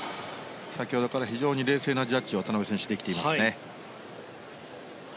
先ほどから非常に冷静なジャッジを渡辺選手、できていますね。